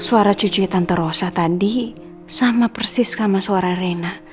suara cucunya tante rosa tadi sama persis sama suara reina